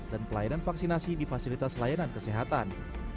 dan pelayanan vaksinasi di fasilitas layanan kesehatan